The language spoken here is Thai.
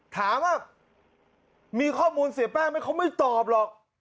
ถามว่ามีข้อมูลเสียแป้งไหมเขาไม่ตอบหรอก